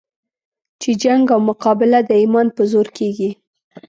چې جنګ او مقابله د ایمان په زور کېږي.